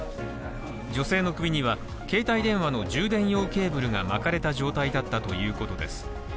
女性の首には携帯電話の充電用ケーブルが巻かれた状態だったということです。